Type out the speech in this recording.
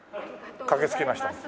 駆けつけました。